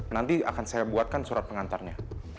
nanti akan saya buatkan surat pengantarnya